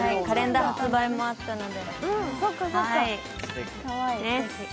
カレンダー発売もあったので。